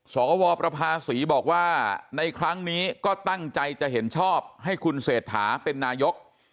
สวประภาษีบอกว่าในครั้งนี้ก็ตั้งใจจะเห็นชอบให้คุณเศรษฐาเป็นนายก